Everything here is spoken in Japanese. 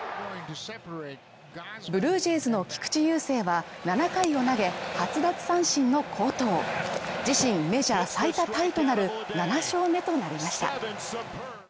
ブルージェイズの菊池雄星は７回を投げ、８奪三振の好投自身メジャー最多タイとなる７勝目となりました。